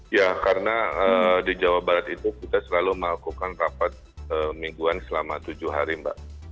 ya karena di jawa barat itu kita selalu melakukan rapat mingguan selama tujuh hari mbak